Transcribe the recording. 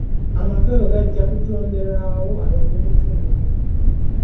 Amakolero gajja kutonderawo abavubuka emirimu.